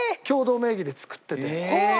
共同名義で作ってて。